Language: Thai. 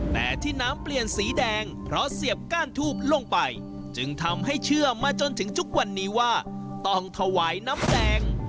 แต่ที่น้ำเปลี่ยนสีแดงเพราะเสียบก้านทูบลงไปจึงทำให้เชื่อมาจนถึงทุกวันนี้ว่าต้องถวายน้ำแดง